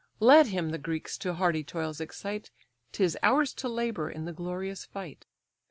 Let him the Greeks to hardy toils excite, 'Tis ours to labour in the glorious fight."